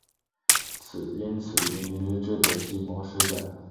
因此黎质的计谋失败。